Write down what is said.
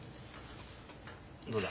どうだ？